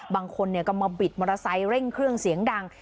บางคนก็มาบิดมอเตอร์ไซค์เร่งเครื่องเสียงดัง